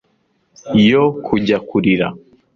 yo kujya kurira